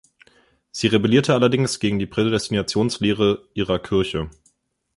Sie rebellierte allerdings gegen die Prädestinationslehre ihrer Kirche.